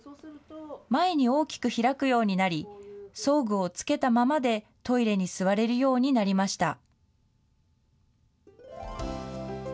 前に大きく開くようになり、装具をつけたままでトイレに座れるようになりました。